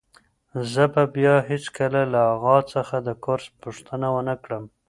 زه به بیا هیڅکله له اغا څخه د کورس پوښتنه ونه کړم.